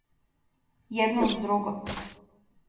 Једно уз друго.